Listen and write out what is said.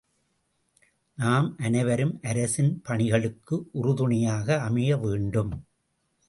நாம் அனைவரும் அரசின் பணிகளுக்கு உறுதுணையாக அமைய வேண்டும்.